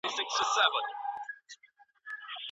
هلیکوپترې څنګه ناروغان لیږدوي؟